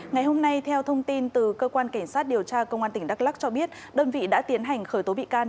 ngày hôm nay theo thông tin từ cơ quan cảnh sát điều tra công an tỉnh đắk lắc cho biết đơn vị đã tiến hành khởi tố bị can